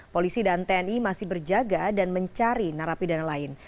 polisi dan tni masih berjaga dan mencari narapidana lain